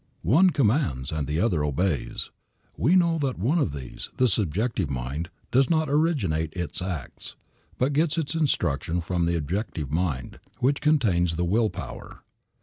One commands and the other obeys. We know that one of these, the subjective mind, does not originate its acts, but gets its instructions from the objective mind, which contains the will power.